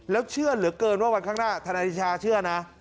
แล้วเชื่อเหลือเกินว่าวันข้างหน้าธนายนิชาเชื่อนะ